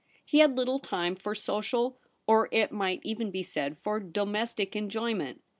He had little time for social, or, it might even be said, for domestic enjoyment.